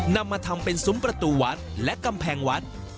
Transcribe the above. นำมาทำเป็นซุ้มประตูวัดและกำแพงวัด